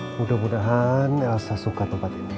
mudah mudahan elsa suka tempat ini